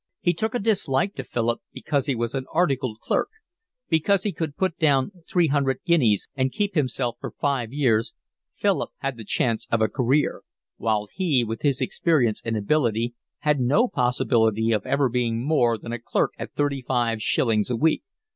He took a dislike to Philip because he was an articled clerk. Because he could put down three hundred guineas and keep himself for five years Philip had the chance of a career; while he, with his experience and ability, had no possibility of ever being more than a clerk at thirty five shillings a week.